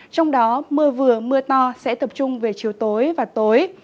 trong đó mưa vừa mưa to sẽ tập trung về chiều tối và tối